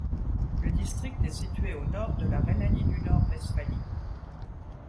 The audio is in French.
Le district est situé au nord de la Rhénanie-du-Nord-Westphalie.